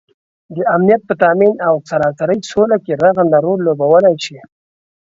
دامنیت په تآمین او سراسري سوله کې رغنده رول لوبوالی شي